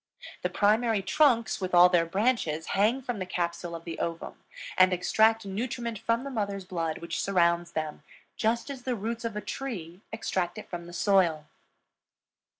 The primary trunks with all their branches hang from the capsule of the ovum and extract nutriment from the mother's blood which surrounds them, just as the roots of a tree extract it from the soil.